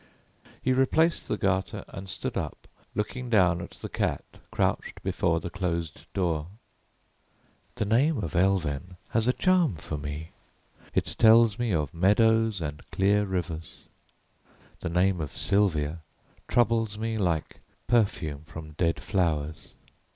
He replaced the garter and stood up looking down at the cat crouched before the closed door. "The name of Elven has a charm for me. It tells me of meadows and clear rivers. The name of Sylvia troubles me like perfume from dead flowers."